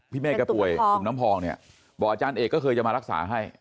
เมฆแกป่วยตุ่มน้ำพองเนี่ยบอกอาจารย์เอกก็เคยจะมารักษาให้